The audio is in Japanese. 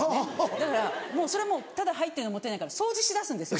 だからそれもうただ入ってるのもったいないから掃除しだすんですよ